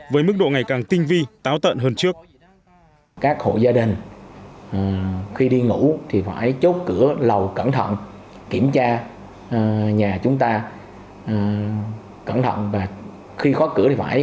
với mức độ ngày càng tinh vi táo tận hơn trước